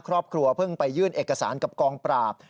ครอบครัวเพิ่งไปยื่นเอกสารกับกองปราบ